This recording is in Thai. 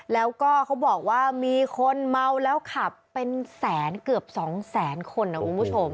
แล้วก็เขาบอกว่ามีคนเมาแล้วขับเป็นแสนเกือบ๒แสนคนนะคุณผู้ชม